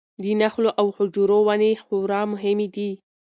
د نخلو او خجورو ونې خورا مهمې دي.